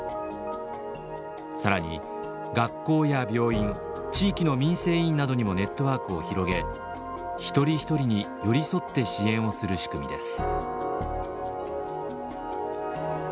更に学校や病院地域の民生委員などにもネットワークを広げ一人一人に寄り添って支援をする仕組みです。